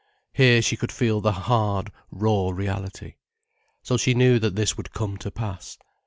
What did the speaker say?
Here she could feel the hard, raw reality. So she knew that this would come to pass.